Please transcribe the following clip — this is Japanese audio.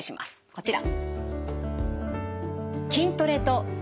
こちら。